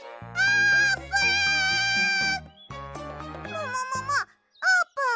ももももあーぷん！